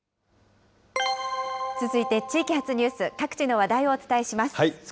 続いて地域発ニュース、各地の話題をお伝えします。